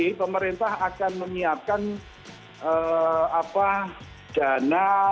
jadi pemerintah akan menyiapkan dana